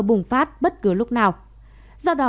bùng phát bất cứ lúc nào do đó